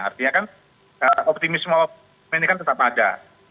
artinya kan optimisme ini kan tetap ada